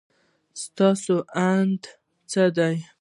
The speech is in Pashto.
ستاسو اند څه دی؟